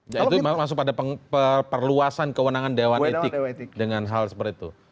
jadi itu masuk pada perluasan kewenangan dewan etik dengan hal seperti itu